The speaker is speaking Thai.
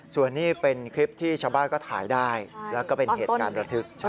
ส่วนนี้เป็นคลิปที่ชาวบ้านก็ถ่ายได้แล้วก็เป็นเหตุการณ์ระทึก